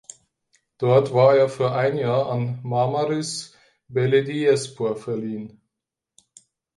Dort war er für ein Jahr an Marmaris Belediyespor verliehen.